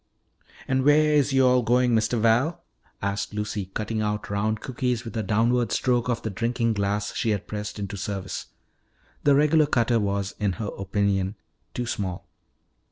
"An' wheah is yo'all goin', Mistuh Val?" asked Lucy, cutting out round cookies with a downward stroke of the drinking glass she had pressed into service. The regular cutter was, in her opinion, too small.